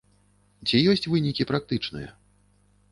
Ці ёсць вынікі практычныя?